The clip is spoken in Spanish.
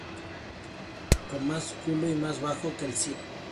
Con más culo y más bajo que el Siena.